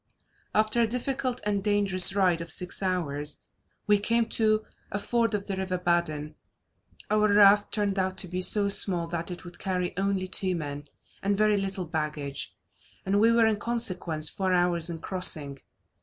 After a difficult and dangerous ride of six hours, we came to a ford of the river Badin. Our raft turned out to be so small that it would carry only two men, and very little baggage; and we were, in consequence, four hours in crossing.